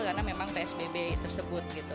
karena memang psbb tersebut gitu